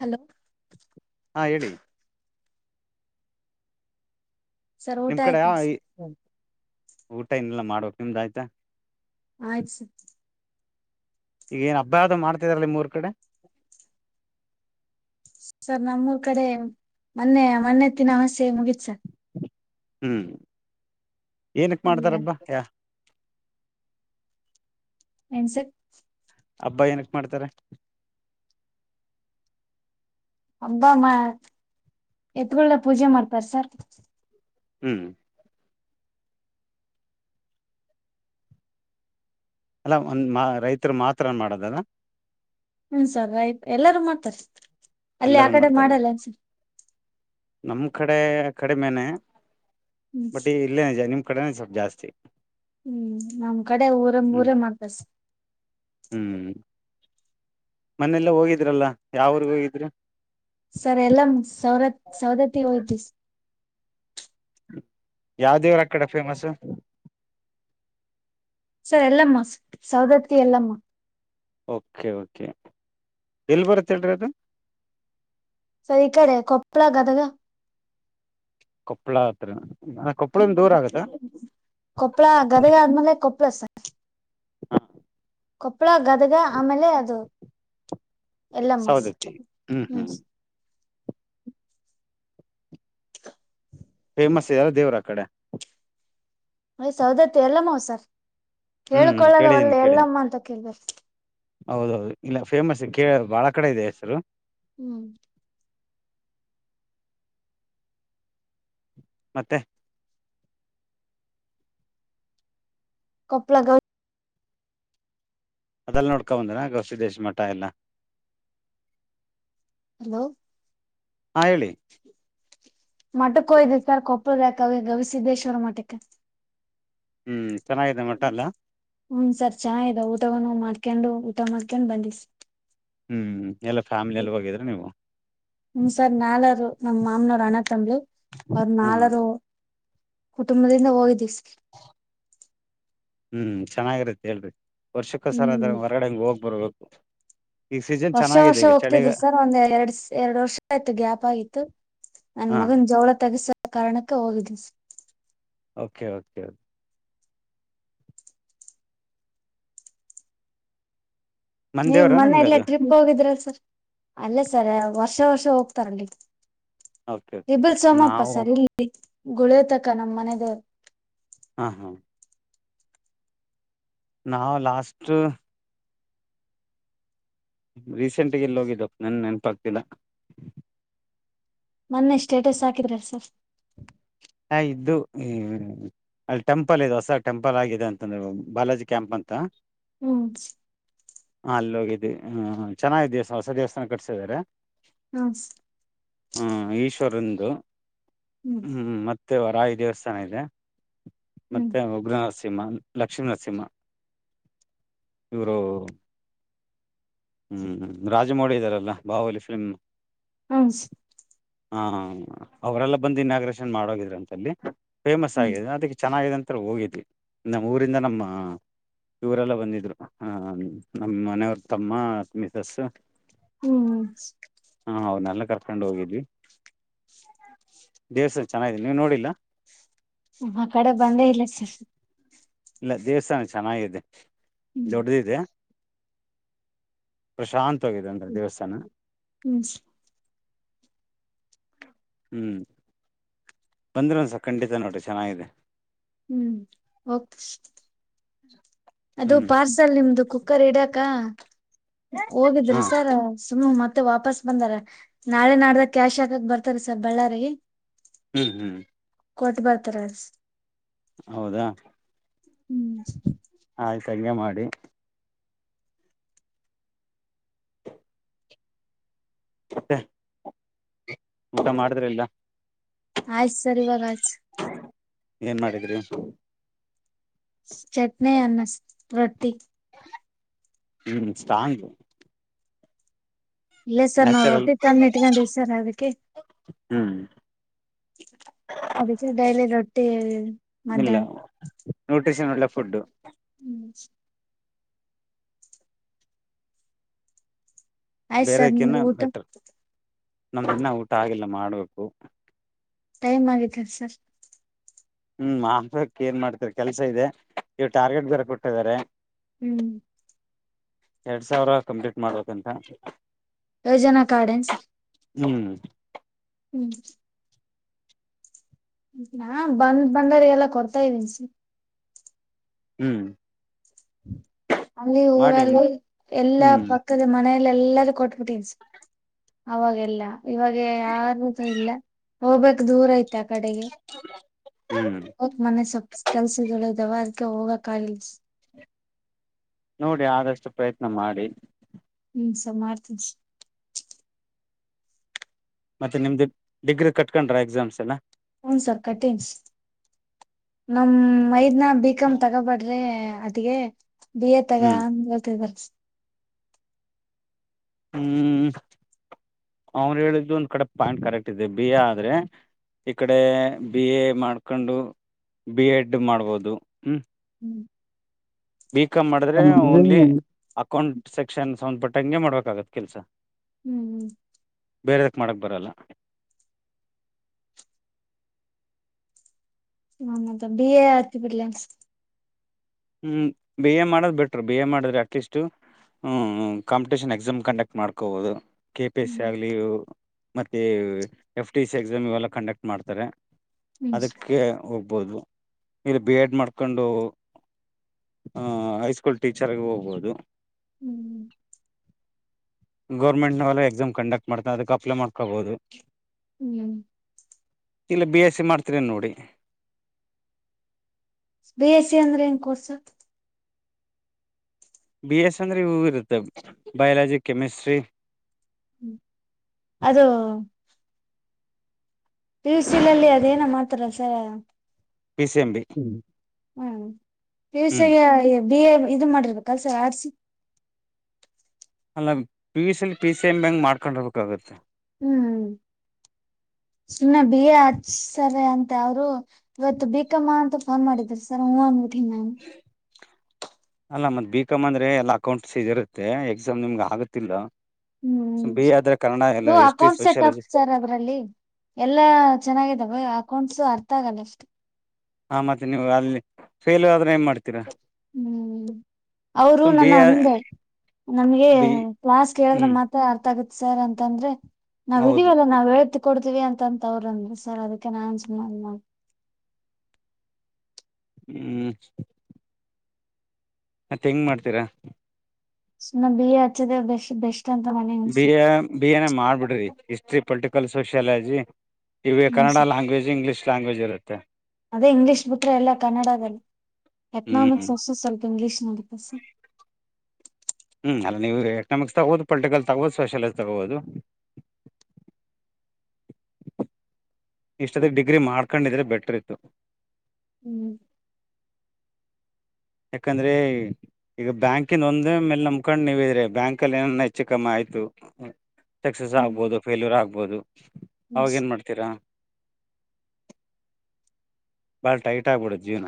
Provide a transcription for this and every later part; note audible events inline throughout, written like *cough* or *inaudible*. Hello. ಹಾ ಹೇಳಿ. Sir ಊಟ ನಿಮ್ ಕಡೆ ಯ ಆಯ್ತೇನ್ ಈ ಸರ್ ಊಟ ಇನ್ನಲ್ಲ ಮಾಡ್ಬೇಕ ನಿಮ್ದ ಆಯ್ತಾ. ಆಯ್ತು ಸ. ಈಗ ಏನು ಹಬ್ ಅದ ಮಾಡತಿದಾರ ನಿಮೂರ್ ಕಡೆ. ಸರ್ ನಮ್ಮೂರ್ ಕಡೆ ಮೊನ್ನೆ ಮಣ್ಣೆತ್ತಿನ ಅಮಾವಾಸೆ ಮುಗೀತ್ ಸರ್. ಹ್ಮ ಏನಕ್ಕೆ ಮಾಡ್ತಾರಬ್ಬಾ ಯ. ಎನ್ಸ. ಹಬ್ಬಾ ಏನಕ್ ಮಾಡ್ತಾರೆ. ಅಬ್ಬಮ್ಮ ಎತ್ಗಳನ ಪೂಜೆ ಮಾಡ್ತಾರೆ ಸರ್. ಹ್ಞ ಹ. ಅಲ್ಲ ಒಂದ ಮಾ ರೈತರು ಮಾತ್ರನ್ ಮಾಡದನ. ಹ್ಮ ಸರ್ ರೈ ಆಯ್ತು ಎಲ್ಲಾರು ಮಾಡ್ತಾರೆ ಅಲ್ಲಿ ಆ ಎಲ್ಲರೂ ಕಡೆ ಮಾಡ್ತಾರೆ ಮಾಡಲ್ಲೆನ್ ಸರ್. ನಮ್ ಕಡೆ ಕಡೆ ಮೇನೆ ಹ್ಮ್ ಬಟ್ ಇಲ್ಲೇನೆಜ ನಿಮ್ ಕಡೆನೆ ಸ್ವಲ್ಪ ಜಾಸ್ತಿ. ಹ್ಮ್ ನಮ್ ಕಡೆ ಊರ ಹ್ಮ್ ಊರ ಮಾಡ್ತಾದ ಸರ್. ಹ್ಮ್. ಮೊನ್ನೆಲ್ಲ ಹೋಗಿದ್ರಲ್ಲ ಯಾವ್ ಊರಿಗಿ ಹೋಗಿದ್ರಿ. ಸರ್ ಎಲ್ಲ ಸವರತ್ ಸವದತ್ತಗಿ ಹೋಗಿದೀವಿ ಸರ್. ಯಾವ ದೇವ್ರ ಆ ಕಡೆ famous. Sir Yellamma Saundatti Yellamma. Okay okay ಎಲ್ಲಿ ಬರುತ್ತೆ ಹೇಳ್ರಿ ಅದು. ಸರಿ ಈ ಕಡೆ ಕೊಪ್ಪಳ ಗದಗ. ಕೊಪ್ಪಳ ಹತ್ರ ಕೊಪ್ಪಳಂದ ದೂರ ಆಗತ್ತಾ. ಕೊಪ್ಪಳ ಗದಗ ಆದ್ಮೇಲೆ ಕೊಪ್ಪಳ ಸರ್. ಹಾ. ಕೊಪ್ಪಳ ಗದಗ ಆಮೇಲೆ ಅದು ಎಲ್ಲಮ್ಮ ಸೌದತ್ತೀ ಹ್ಮ್ ಹ್ಮ್. ಫೇಮಸ್ ಇದೆಯಲ್ಲ ದೇವ್ರ ಆ ಕಡೆ. ಮಯ ಸೌದತ್ತ ಎಲ್ಲಮ್ಮ ಸರ್ ಹ್ಮ್ ಹೇಳೇಳ್ಕೊಳ್ಳದವಲ್ಲ ಕೇಳಿದೀನಿ ಕೇಳಿದೀನಿ ಎಲ್ಲಮ್ಮ ಅಂತ ಕೇಳ ಬೇಕಾ. ಹೌದೌದು ಇಲ್ಲ ಫೇಮಸ್ ಕೇಳ ಬಾಳ ಕಡೆ ಇದೆ ಹೆಸರು. ಹ್ಮ್. ಮತ್ತೆ. ಕೊಪ್ಪಳ ಗವಿ. ಅದೆಲ್ಲ ನೋಡಕೋಬಂದನ ಗವಿಸಿದೇಶ ಮಠ ಎಲ್ಲ. ಹಲೋ. ಆ ಹೇಳಿ. ಮಠಕ್ಕ ಹೋಯ್ದು ಸರ್ ಕೊಪ್ಪಳದಕ ಅವೆ ಗವಿಸಿದ್ದೇಶ್ವರ ಮಟ್ಟಕ್ಕ. ಹ್ಮ್ ಚೆನ್ನಾಗಿದೆ ಮಠ ಎಲ್ಲ. ಹುಞ ಸರ್ ಚೆನ್ನ ಇದ ಊಟವನ್ನು ಮಾಡ್ಕೊಂಡು ಊಟ ಮಾಡ್ಕೊಂಡು ಬಂದಿ. ಹ್ಮ್ ಎಲ್ಲಾ ಫ್ಯಾಮಿಲಿ ಎಲ್ಲಿ ಹೋಗಿದ್ರೆ ನೀವು. ಹ್ಮ್ ಸರ್ ನಾಲರುು ನಮ್ಮ್ ಮಾಮನೂರು ಅಣ ತಂಬಳು ಅವರು ಹಾಂ ನಾಲರು. ಕುಟುಂಬದಿಂದ ಹೋಗಿದೀವಿ. ಹ. ಹ್ಮ್ ಚೆನ್ನಾಗಿರತ್ತ ಹೇಳ್ರಿ ವರ್ಷಕ್ಕೋಸರ ಆದದ್ರ ಹ್ಮ್ ಹೊರ್ಗಡೆ ಹಂಗಗೆ ಹೋಗ್ ಬರ್ಬೇಕು. ಈಗ ಸೀಸನ್ ವರ್ಷ ಚೆನ್ನಾಗಿದೆ ವರ್ಷ ಈಗ ಚಳಿಗ ಹೋಗ್ತಿದ್ರು ಸರ್ ಒಂದ್ ಎರಡ್ ಎರಡ್ ವರ್ಷ ಆಯ್ತು ಗ್ಯಾಪ್ ಆಗಿತು ನನ್ ಹಾಂ ಮಗನ್ ಜವಳ ತಗಸೋ ಕಾರಣಕ್ಕೆ ಹೋಗಿದ್ವಿ ಸರ್ ಓಕೆ ಓಕೆ ಕೆ ನೀವ್ ಮನ್ದೇವ್ರಾ ನಿಮ್ಗ ಮನೇಲ್ಲೇ ಅದು ಟ್ರಿಪ್ಗೆ ಹೋಗಿದ್ರ ಸರ್ ಅಲ್ಲೇ ಸರ್ ವರ್ಷ ವರ್ಷ ಹೋಗ್ತಾರ ಅಲ್ಲಿ ಓಕೆ *unintelligible* ಓಕೆ ಬಲ್ ಸೋಮಪ್ಪ ನಾವು ಸರ್ ಇಲ್ಲಿ ಗುಳಿಯತಕ ನಮ್ಮ್ ಮನೆ ದೇವ್ರು ಹಾ ಹಾ ನಾವ್ ಲಾಸ್ಟ್ ರೀಸೆಂಟ್ಗ ಎಲ್ಲಿ ಹೋಗಿದ್ದ ನನ್ ನೆನಪಾಗ್ತಿಲ್ಲ ಮೊನ್ನೆ ಸ್ಟೇಟಸ್ ಹಾಕಿದ್ರ ಸರ್ ಹ ಇದ್ದು ಹ್ಮ್ ಅಲ್ಲಿ ಟೆಂಪಲ್ ಇದೆ ಹೊಸ ಟೆಂಪಲ್ ಆಗಿದೆ ಅಂತಂದ್ರ ಬಾಲಾಜಿ ಕ್ಯಾಂಪ್ ಅಂತ ಹ್ಞೂ ಹ ಅಲ್ಲಿ ಹೋಗಿದ್ದಿ ಹ ಚೆನ್ನ *unintelligible* ದಿವಸ ಹೊಸ ದೇವಸ್ಥಾನ ಕಟ್ಸಿದ್ದಾರೆ ಹ್ಮ್ ಹ್ಮ ಈಶ್ವರಂದು ಹ್ಮ್ ಮತ್ ಮತ್ತೆ ವರಾಯಿ ದೇವಸ್ಥಾನ ಇದೆ ಹ್ಮ್ ಮತ್ತೆ ಉಗ್ರನರ್ಸಿ ಸಿಂಹ ಲಕ್ಷ್ಮೀ ನರಸಿಂಹ ಇವರು ಹ್ಮ್ ರಾಜಮೌಳಿ ಇದಾರೆಲ್ಲ ಬಾಹುಬಲಿ ಫಿಲ್ಮ್ ಹ್ಮ್ ಹಾ ಅವರೆಲ್ಲ ಬಂದು ಇನಾಗ್ರೇಷನ್ ಮಾಡೋಗಿದ್ರ ಅಂತಲ್ಲಿ ಫೇಮಸ್ ಆಗಿದೆ ಅದಕ್ಕೆ ಚೆನ್ನಾಗಿದೆ ಅಂತ ಹೋಗಿದ್ವಿ ನಮ್ಮ ಊರಿಂದ ನಮ್ಮ ಇವರೆಲ್ಲ ಬಂದಿದ್ರು ಹ ನಮ್ ಮನೆಯವ್ರ ತಮ್ಮ ಮಿಸಸ್ ಹ್ಮ್ ಹಾ ಅವ್ರ್ ನ್ನೆಲ್ಲ ಕರ್ಕೊಂಡು ಹೋಗಿದ್ವಿ ದೇವಸ್ಥಾನ ಚೆನ್ನಗಿದೆ ನೀವ್ ನೋಡಿಲ್ಲ ಆಕಡೆ ಬಂದೇ ಇಲ್ಲ ಸರ್ ಇಲ್ಲ ದೇವಸ್ಥಾನ ಚೆನ್ನಾಗಿದೆ ಹ್ಮ್ ದೊಡ್ದಿದೆ ಪ್ರಾಶಾಂತವಾಗಿದೆ ಅಂದ್ರೆ ದೇವಸ್ಥಾನ ಹ್ಮ್ ಹ್ಮ್ ಬಂದ್ರ ಒಂದಸ ಖಂಡಿತ ನೋಡ್ರಿ ಚೆನ್ನಾಗಿದೆ ಹ್ಮ್ಓಕೆ ಸ್ ಹ್ಮ *inaudible* ಅದು ಪಾರ್ಸಲ್ ನಿಮ್ದು ಕುಕ್ಕರ್ ಇಡಾಕ ಹಾ ಹೋಗಿದ್ರಿ ಸರ್ ಸುಮ್ ಮತ್ತೆ ವಾಪಸ್ ಬಂದಾರ ನಾಳೆ ನಾಡ್ದಾಗ ಕ್ಯಾಶ್ ಹಾಕಕ್ ಬರ್ತಾರ ಸ ಬಳ್ಳಾರಿಗೆ ಹ್ಮ್ ಹ್ಮ್ ಕೊಟ್ ಬರ್ತಾರ ಸ್ ಹೌದಾ ಹ್ಮ್ ಆಯ್ತ್ ಅಂಗೆ ಮಾಡಿ ಮತ್ತೆ ಊಟ ಮಾಡಿದ್ರ ಇಲ್ಲಾ ಆಯ್ತು ಸರ್ ಇವಾಗ ಆಯ್ತ್ ಸ್ ಏನ್ ಮಾಡಿದ್ರಿ ಚಟ್ನಿ ಅನ್ನ ಸ್ ರೊಟ್ಟಿ ಹ್ಮ್ ಸ್ಟಾಂಗು ಇಲ್ಲೇ ಸರ್ ನಾವ ನ್ಯಾಚುರಲ್ ರೊಟ್ಟಿ ತಂದ್ ಇಟ್ಕೊಂಡಿವ ಸರ್ ಅದಕ್ಕೆ. ಹ್ಞೂ. ಅದೀಕ್ಕೆ ಡೈಲಿ ರೊಟ್ಟಿ ಮಧ್ಯಾಹ್ನ. ನ್ಯೂಟ್ರಿಷನ ಒಳ್ಳೆ ಫುಡ್. ಆಯ್ತ್ ಬೇರೆ ಸರ್ ಕಿನ ನಿಮ್ದು ಊಟ ಬೆಟರ್ ನಮ್ ಇನ್ನ ಊಟ ಆಗಿಲ್ಲ ಮಾಡ್ಬೇಕು. ಟೈಮ್ ಆಗೈತೆ ಸರ್. ಹ್ಮ್ ಮಾಡ್ಬೇಕ್ ಏನ್ ಮಾಡ್ತೀರ ಕೆಲ್ಸ ಇದೆ ಇವ ಟಾರ್ಗೆಟ್ ಬೇರೆ ಕೊಟ್ಟಿದಾರೆ. ಹ್ಮ್ ಎರಡ್ ಸಾವ್ರ ಕಂಪ್ಲೀಟ್ ಮಾಡ್ಬೇಕಂತ. ಯೋಜನಾ ಕಾರ್ಡನ್ ಸರ್ ಹ್ಮ್ ಹ್ಮ್ ನಾ ಬಂದ್ ಬಂದರಿಗೆಲ್ಲ ಕೊಡ್ತಾ ಇದೀನ್ ಸರ್. ಹ್ಮ ಅಲ್ಲಿ ಮಾಡಿ ಊರಲ್ಲಿ ಎಲ್ಲಾ ಹ್ಮ್ ಪ ಪಕ್ಕದ ಮನೆಯಲ್ಲಿ ಎಲ್ಲರೂ ಕೊಟ್ಬಿಟ್ಟಿನ್ ಸ ಅವಾಗೆಲ್ಲಾ. ಇವಾಗ ಯಾರುಸ ಇಲ್ಲ ಹೋಗ್ಬೇಕ್ ದೂರ ಐತೆ ಆ ಕಡೆಗೆ. ಹ್ಮ್ ಅದಕ್ ಮನೆ ಸ್ವಲ್ಪ್ ಕೆಲ್ಸ ಇದಾವ ಅದಕ್ಕೆ ಹೋಗಕ್ ಆಗಲ್ ಸ್ ನೋಡಿ ಆದಷ್ಟು ಪ್ರಯತ್ನ ಮಾಡಿ. ಹ್ಮ ಸರ್ ಮಾಡ್ತೀನಿ ಸ್ ಮತ್ತೆ ನಿಮ್ದು ಡಿಗ್ರಿ ಕಟ್ಕೊಂಡ್ರ ಎಕ್ಸಾಮ್ಸ್ ಎಲ್ಲಾ. ಹನ್ ಸರ್ ಕಟಿನ್ಸ್ ನಮ್ ಮೈದ್ನ ಬಿಕಾಮ್ ತಗಬಾರ ದೇ ಅತ್ಗೆ ಬಿ ಎ ತಗ ಹ್ಮ್ ಅಂದ ಹೇಳ್ತಾ ಇದರ ಸರ್. ಹ್ಮ್ ಅವ್ನ್ ಹೇಳಿದ್ದು ಒಂದ್ ಕಡೆ ಪಾಯಿಂಟ್ ಕರೆಕ್ಟ್ ಇದೆ ಬಿಏ ಆದ್ರೆ. ಈ ಕಡೆ ಬಿ ಎ ಮಾಡ್ಕೊಂಡು ಬಿ ಎಡ್ ಮಾಡ್ಬೋದು ಹ್ಮ. ಹ್ಮ್ ಬಿ ಕಾಮ್ ಮಾಡಿದ್ರೆ ಓನ್ಲಿ ಅಕೌಂಟ್ ಸೆಕ್ಷನ್ ಸಂಧಪಟ್ಟಂಗೆ ಮಾಡ್ಬೇಕಾಗತ್ತೆ ಕೆಲಸ. ಹ್ಮ್ ಹ್ಮ್ ಬೇರೆದಕ್ ಮಾಡಕ್ ಬರಲ್ಲ. ಹ ಮತ್ ಬಿ ಎ ಹಚ್ಚಬಿಡ್ಲೆನ್ ಸರ್. ಹ್ಮ್ ಬಿ ಎ ಮಾಡದ ಬೇಟ್ರು ಬಿ ಎ ಮಾಡಿದ್ರೆ ಅಟ್ಲೀಸ್ಟ್. ಟು ಹ್ಮ್ ಕಾಂಪಿಟೇಷನ್ ಎಕ್ಸಾಮ್ ಕಂಡಕ್ಟ್ ಮಾಡ್ಕೋಬಹುದು ಕೆ ಪಿ ಎಸ್ ಸಿ ಹ್ಮ್ ಆಗ್ಲಿ ಮತ್ತೆ ಎಫ್ ಟಿ ಸಿ ಎಕ್ಸಾಮ್ ಇವೆಲ್ಲ ಕಂಡಕ್ಟ್ ಮಾಡ್ತಾರೆ ಹ್ಮ್ ಅದಕ್ಕೆ. ಹೋಗ್ಬೋದು ಇಲ್ಲಿ ಬಿ ಎಡ್ ಮಾಡ್ಕೊಂಡು. ಆ ಹೈಸ್ಕೂಲ್ ಟೀಚರ್ಗೆ ಹೋಗ್ಬಹುದು. ಹ್ಮ್ ಗೌರ್ಮೆಂಟ್ನವಲ್ಲ ಎಕ್ಸಾಮ್ ಕಂಡಕ್ಟ್ ಮಾಡ್ತ ಅದಕ್ಕ ಅಪ್ಲೈ ಮಾಡ್ಕೊಬಹುದು. ಹ್ಮ್ ಇಲ್ಲಿ ಬಿ ಎಸ್ ಸಿ ಮಾಡ್ತೀರೇನ್ ನೋಡಿ. ಬಿ ಎಸ್ ಸಿ ಅಂದ್ರ ಹೆಂಗ್ ಕೋರ್ಸ ಸರ್. ಬಿ ಎಸ್ ಅಂದ್ರ ಇವು ಇರುತ್ತೆ ಬಯಾಲಜಿ ಕೆಮಿಸ್ಟ್ರಿ ಹ್ಮ ಅದು ಪಿಯುಸಿ ಅಲ್ಲಿ ಅದೇನೋ ಮಾತ್ರ ಸ ಪಿ ಸಿ ಎಂ ಬಿ ಹ್ಮ ಹ ಪಿಯುಸಿ ಹ್ಮ್ ಬಿಏ ಇದು ಮಾಡಿರ್ ಕಲ್ಸ ಆಡ್ಸಿ ಅಲ್ಲ ಪಿ ಸೆಲ್ ಪಿ ಸಿ *unintelligible* ಮಾಡ್ಕೊಂಡಿರ್ಬೇಕಾಗುತ್ತ. ಹ್ಮ್ ಸುಮ್ನೇ ಬಿ ಎ ಹಚ್ತಾರೆ ಅಂತ ಅವ್ರು. ಇವತ್ತು ಬಿಕಮ್ಮ ಅಂತ ಫೋನ್ ಮಾಡಿದ್ರು ಸರು ಹ್ಮ ಅನ್ಬಿಟ್ಟಿನ್ ನಾನು. ಅಲ್ಲ ಮತ್ತ ಬಿಕಮ್ ಅಂದ್ರೆ ಎಲ್ಲ ಅಕೌಂಟ್ಸಿಜ ಇರತ್ತೆ ಎಕ್ಸಾಮ್ ನಿಮ್ಗ ಆಗುತ್ತಿಲ್ಲ. ಹ್ಮ್ ಬಿ ಎ ಆದ್ರೆ ಕನ್ನಡ ಎಲ್ಲ ಇದು history account setup sociology sir ಅದ್ರಲ್ಲಿ. ಎಲ್ಲ ಚೆನ್ನಾಗಾಗಿದವೆ ಅಕೌಂಟ್ಸು ಅರ್ಥ ಆಗಲ್ಲ ಅಷ್ಟೆ. ಹ ಮತ್ತೆ ನೀವು ಅಲ್ಲಿ ಫೇಲ್ ಆದ್ರೆ ಏನ್ ಮಾಡ್ತೀರಾ. ಅವ್ರು ಸುಮ್ ಬಿ ನನ್ನ ಎ ಅಂದೆ ನಮಗೆ ಬಿ ಕ್ಲಾಸ್ ಕೇಳದ್ರ ಹ್ಮ್ ಮಾತ್. ಅರ್ಥ ಆಗುತ್ತ ಸರ್ ಅಂತಂದ್ರೆ ನಾವ್ ಹೌದು ಇದೀವಲ್ಲ ನಾವ್ ಹೇಳತೀರ್ತ್ ಕೊಡ್ತೀವಿ ಅಂತಂತ ಅವ್ರ ಅಂದ್ರ ಸರ್ ಅದಕ್ಕೆ ನಾನ್ ಸುಮ್ನ *unintelligible* ಹ್ಮ್ ಮತ್ತೆಂಗ ಮಾಡ್ತೀರಾ. ಸುಮ್ನ ಬಿ ಎ ಹಚ್ಚದೆ ಬೆಶ್ ಬೆಸ್. ಅತ್ಯಂತ ಮೆ *unintelligible* ಬಿ ಎ ಬಿ ಎ ನೆ ಮಾಡ್ಬಿಡ್ರಿ ಹಿಸ್ಟ್ರಿ ಪೊಲಿಟಿಕಲ್ ಸೋಶ್ಯಾಲಜಿ. ಇವೆ ಹ್ಮ್ ಕನ್ನಡ ಸರ್ ಲಾಂಗ್ವೆಜ್ ಇಂಗ್ಲಷ ಲಾಂಗ್ವೇಜ್ ಇರ ಅದೇ ಇಂಗ್ಲೀಷ್ ಬಿಟ್ರೆ ಎಲ್ಲ ಕನ್ನಡದಲ್ಲಿ ಹ್ಮ್ ಎಕನಾಮಿಕ್ಸ್ ಹ್ಮ್ ಅಷ್ಟ ಸ್ವಲ್ಪ ಇಂಗ್ಲೀಷ್ *unintelligible* ಹ್ಮ್ ಅಲ್ಲ ನೀವು ಎಕನಾಮಿಕ್ಸ್ ತಗೋಬೋದು ಪೊಲಿಟಿಕಲ್ ತಗೋಬೋದು ಸೋಷಲಜ ತಗೋಬೋದು. *inaudible* ಇಷ್ಟದಗ ಡಿಗ್ರಿ ಮಾಡ್ಕೊಂಡಿದ್ರೆ ಬೆಟ್ರಿತ್ತು. ಹ್ಮ್ ಯಾಕಂದ್ರೆ. ಈಗ ಬ್ಯಾಂಕಿಂದ ಒಂದೇ ಮೇಲ ನಮಕೊಂಡ್ ನೀವಿದ್ರೆ ಬ್ಯಾಂಕಲ್ಲಿ ಏನನ ಹೆಚ್ಚು ಕಮ್ಮಿ ಆಯ್ತು. ಸೇಕ್ಸಸ್ ಹ್ಮ್ ಆಗ್ಬೋದು ಫೇಲ್ಯೂರ್ ಆಗ್ಬೋದು ಹ್ಮ್ ಅವಾಗ ಏನ್ ಮಾಡ್ತೀರಾ. ಬಾಳ ಟೈಟ್ ಆಗ್ಬಿಡ ಜೀವ್ನ.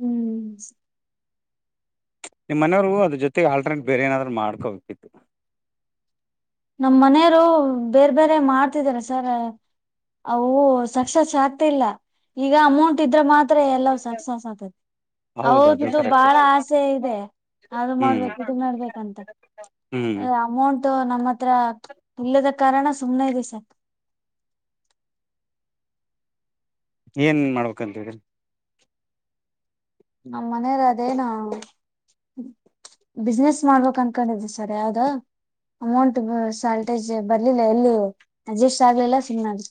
ಹ್ಮ್ ಹ್ಮ್ ನಿಮ್ಮ್ನೆಯವ್ರು ಅದ ಜೊತೆಗ್ ಆಟರ್ನೇಟ್ ಬೇರೆ ಏನಾದ್ರು ಮಾಡ್ಕೋಬೇಕಿತ್ತು. ನಮ್ ಮನೆಯವ್ರು ಬೇರ್ ಬೇರೆ ಮಾಡ್ತಿದಾರ ಸರ. ಅವು ಸಕ್ಸಸ್ ಆಗ್ತ ಇಲ್ಲ ಈಗ ಅಮೌಂಟ್ ಇದ್ರೆ ಮಾತ್. ತ್ರ ಎಲ್ಲಾ ಸಕ್ಸಾಸ್ ಆಗ್ತೈತಿ. ಹೌದು ಅದು ಅವ್ರುದು ಕರೆಕ್ಟ್ ಬಾಳ ಆಸೆ ಇದೆ ಅದು ಹ್ಮ್ ಮಾಡ್ಬೇಕ ಇದು ಮಾಡ್ಬೇಕಂತ. ಹ್ಮ್ ಅಮೌಂಟು ನಮ್ಮ ಹತ್ರ ಇಲ್ಲದ ಕಾರಣ ಸುಮ್ನೆ ಇದಿವಿ ಸರ್. ಏನ್ ಮಾಡ್ಬೇಕಂತಿದಿರಿ. ನಮ್ಮ ಮನೆಯವ್ರು ಅದೇನು. ಬಿಸ್ನೆಸ್ ಮಾಡ್ಬೇಕ್ ಅನ್ಕೊಂಡಿದಿ ಸರ್ ಯಾವ್ದ. ಅಮೌಂಟ್ ಬ ಸಾಲ್ಟೇಜ್ ಬರ್ಲಿಲ್ಲ ಎಲ್ಲಿಯು ಅಡ್ಜಸ್ಟ್ ಆಗ್ಲಿಲ್ಲ ಸುಮ್ನಾಗ್.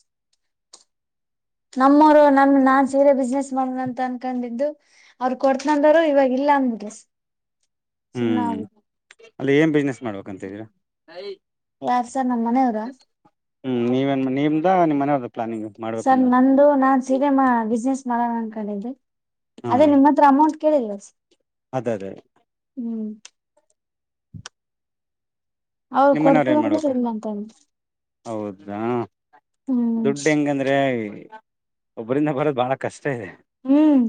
ನಮ್ಮವ್ರು ನಮ್ ನಾನ್ ಸೀರೆ ಬಿಸ್ನೆಸ್ ಮಾಡಣ ಅಂತ ಅನ್ಕೊಂಡಿದ್ದು. ಅವ್ರ ಕೊಡ್ತನಂದಾರು ಇವಾಗ ಇಲ್ಲ ಅಂದ್ಬಿಟ್ರು ಸ ಹ್ಮ್ ಅಲ್ಲಿ ಏನ್ ಬಿಸ್ನೆಸ್ ಮಾಡ್ಬೇಕಂತ ಇದೀರಾ. ಯಾರ್ ಸರ್ ನಮ್ಮ್ ಮನೆಯವ್ರ. ಹ್ಮ್ ನೀವೇನ್ ನಿಮ್ದಾ ನಿಮ್ ಮನೇಯವ್ರ ಸರ್ ನಂದು ನಾನ್ ಸೀರೆಮಾ ಬಿಸ್ನೆಸ್ ಮಾಡಣ ಅನ್ಕೊಂಡಿದ್ದೆ. ಅದೇ ನಿಮ್ಮತ್ರ ಅಮೌಂಟ್ ಕೇಳಿಲ್ಲ ಸ. ಅದರಿ. ಹ್ಮ್ ಅವ್ರು ನಿಮ್ಮನೆಯವ್ರ್ ಏನ್ ಕೊಡ್ತೀವಂದ್ರ ಮಾಡ್ಬೇಕು ಇಲ್ಲಂತಂದ್ರ ಹೌದಾ ಹ್ಮ್ ದುಡ್ ಹೆಂಗಂದ್ರೆ ಒಬ್ಬರಿಂದ ಬರೋದ್ ಬಹಳ ಕಷ್ಟ ಇದೆ ಹ್ಮ್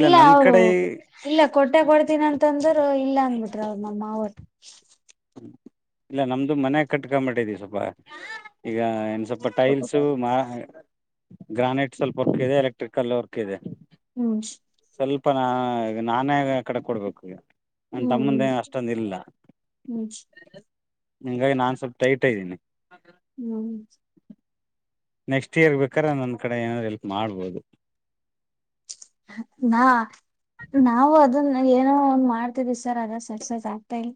ಇಲ್ಲ ನನ್ ಅವರು *unintelligible* ಕಡೆ ಹೋಗ ಇಲ್ಲ ಕೊಟ್ ಊಟ ಕೊಡ್ತೀನಿ ಅಂತಂದ್ರ ಇಲ್ಲ ಅಂದ್ಬಿಟ್ರ ಅವ ನಮ್ಮಮವೊರ್ ಇಲ್ಲ ನಮ್ದು ಮನ್ಯ ಕಟ್ಕೊಂಬಟ್ಟಿದವಿ ಸ್ವಲ್ಪ ಈಗ ಏನ್ ಸ್ವಲ್ಪ್ ಟೈಲ್ಸು ಮ ಗ್ರಾನೈಟ್ ಸ್ವಲ್ಪ ವರ್ಕ್ ಇದೆ ಎಲೆಕ್ಟ್ರಿಕಲ್ ವರ್ಕ್ ಇದೆ ಹ್ಮ್ ಸ್ವಲ್ಪ ನಾ ನಾನೇ ಕಡೆ ಕೊಡ್ಬೇಕು ಈಗ ನನ್ ತಮ್ಮಂದೇ ಹ್ಮ್ ಅಷ್ಟೊಂದ್ ಇಲ್ಲ ಹ್ಮ್ ಹಿಂಗಾಗಿ ನಾನ್ ಸ್ವಲ್ಪ ಟೈಟ್ ಇದ್ದೀನಿ ಹ್ಮ್ ನೆಕ್ಸ್ಟ್ ಇಯರ್ ಬೇಕ್ರೆ ನನ್ನ ಕಡೆ ಏನಾದರು ಹೆಲ್ಪ್ ಮಾಡ್ಬೋದು ನಾ ನಾವು ಅದನ್ನ ಏನೋ ಒಂದ್ ಮಾಡ್ತಿದಿವಿ ಸರ್ ಅದ ಸಕ್ಸಸ್ ಆಗ್ತಾ ಇಲ್ಲ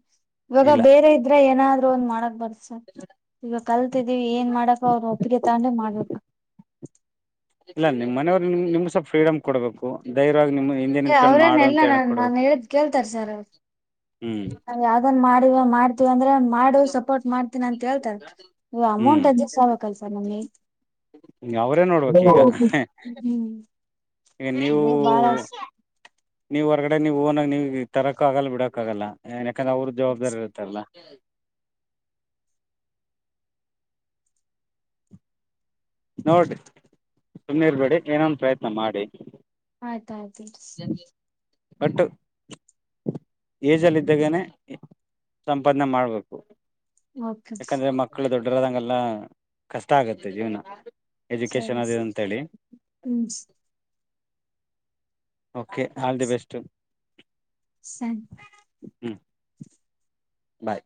ಇವಾಗ ಇಲ್ಲ ಬೇರೆ ಇದ್ರೆ ಏನಾದ್ರು ಒಂದ್ ಮಾಡಕ್ ಬರ್ತ್ ಸ ಈಗ ಕಲ್ತಿದ್ದೀವಿ ಏನ್ ಮಾಡಕ ಅವ್ರು ಒಪ್ಪಿಗೆ ತಗೊಂಡೆ ಮಾಡ್ಬೇಕ್ ಇಲ್ಲ ನಿಮ್ ಮನೆಯವರ್ ನಿಮ್ *unintelligible* ಫ್ರೀಡಮ್ ಕೊಡ್ಬೇಕು ಧೈರ್ಯವಾಗಿ ನಿಮ್ ಹಿಂದೆ ನಿಂತ್ಕೊಂಡು ಮಾಡು ಅವ್ರೇನೆಲ್ಲ ಅಂತ ಹೇಳ ನಾನ್ ನಾನ್ ಕೊಡ್ಬೇಕು ಹ್ಮ್ ಅದ ಯಾವ್ದನ್ ಮಾಡಿವ ಮಾಡ್ತಿವಂದ್ರೆ ಮಾಡು ಸಪೋರ್ಟ್ ಮಾಡ್ತೀನ ಅಂತ ಹೇಳ್ತಾರ ಅಮೌಂಟ್ ಹ್ಮ್ ಅಜಸ್ಟ್ ಆಗ್ಬೇಕಲ್ ಸರ್ ನಮ್ಗೆ ಅವ್ರೇ ಓ ನೋಡ್ಬೇಕ್ ಈಗ ಹ್ಮ್ ಈಗ ನೀವು ಅಂದ್ರ ಬಾಳ ನೀವು ಹೊರಗಡೆ ನೀವು ಓನಾಗ ನೀವು ತರೋಕ್ಕ ಆಗಲ್ಲ ಬಿಡಕ್ಕ ಆಗಲ್ಲ ಏ ಯಾಕಂದ್ರೆ ಅವ್ರ ಜವಾಬ್ದಾರಿ ಇರುತ್ತಾರಲ್ಲ ನೋಡ್ರಿ ಸುಮ್ಮ್ನೆ ಇರ್ಬೇಡಿ ಏನೊ ಒಂದ್ ಪ್ರಯತ್ನ ಮಾಡಿ ಆಯ್ತ ಆಯ್ತು ಸ್ ಅಂಟು ಏಜಲ್ಲಿ ಇದ್ದಾಗೇನೆ ಸಂಪಾದನೆ ಮಾಡ್ಬೇಕು ಓಕೆ ಯಾಕಂದ್ರೆ ಮಕ್ ಮಕ್ಕಳು ದೊಡ್ಡರದಂಗೆಲ್ಲ ಕಷ್ಟ ಆಗತ್ತೆ ಜೀವನ ಸರಿ ಎಜುಕೇಶನ್ ಅದಿದೆ ಅಂತೇಳಿ ಹ್ಮ್ ಓಕೆ ಆಲ್ ದಿ ಬೆಸ್ಟ್ ಸ ಹ್ಮ್ ಬಾಯ್